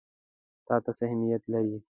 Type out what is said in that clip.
تا ته څه اهمیت لري؟